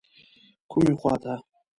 کومې خواته.